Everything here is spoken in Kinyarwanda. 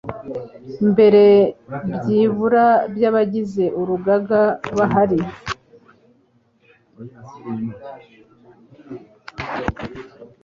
mbere byibura by abagize urugaga bahari